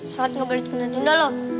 sholat nggak boleh tunda tunda lho